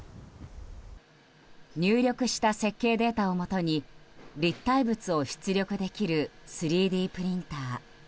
入力した設計データをもとに立体物を出力できる３Ｄプリンター。